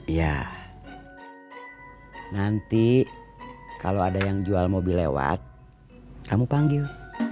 iya nanti kalau ada yang jual mobil lewat kamu panggil